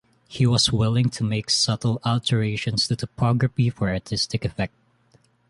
He was willing to make subtle alternations to topography for artistic effect.